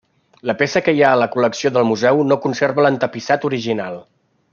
La peça que hi ha a la col·lecció del museu no conserva l'entapissat original.